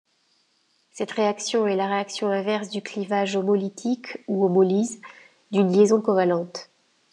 Cette réaction est la réaction inverse du clivage homolytique ou homolyse d'une liaison covalente.